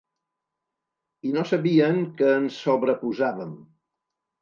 I no sabien que ens sobreposàvem.